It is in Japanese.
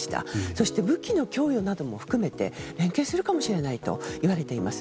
そして武器の供与なども含めて連携するかもしれないといわれています。